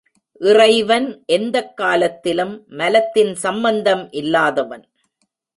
இறைவன் எந்தக் காலத்திலும் மலத்தின் சம்பந்தம் இல்லாதவன்.